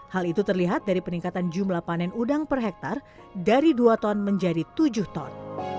hal itu terlihat dari peningkatan jumlah panen udang per hektare dari dua ton menjadi tujuh ton